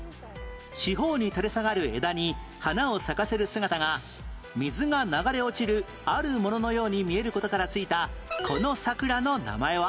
四方に垂れ下がる枝に花を咲かせる姿が水が流れ落ちるあるもののように見える事から付いたこの桜の名前は？